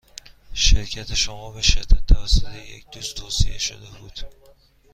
شرکت شما به شدت توسط یک دوست توصیه شده بود.